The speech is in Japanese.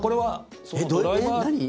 何？